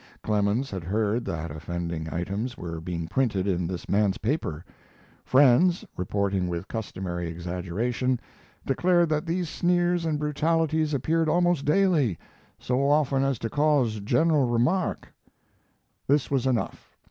Clemens had heard that offending items were being printed in this man's paper; friends, reporting with customary exaggeration, declared that these sneers and brutalities appeared almost daily, so often as to cause general remark. This was enough.